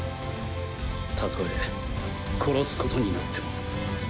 たとえ殺すことになっても。